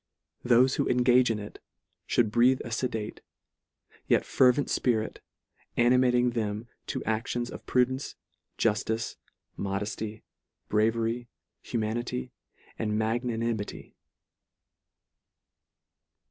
Thofe who engage in it, mould breathe a fedate, yet fervent lpirit, animating them to actions of prudence, juftice, modefty, bravery, hu manity, and magnanimity.